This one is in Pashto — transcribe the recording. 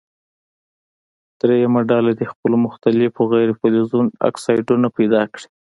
دریمه ډله دې څلور مختلفو غیر فلزونو اکسایدونه پیداکړي.